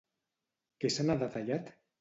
Què se n'ha detallat?